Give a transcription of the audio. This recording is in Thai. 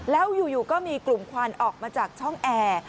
แล้วอยู่ก็มีกลุ่มควันออกมาจากช่องแอร์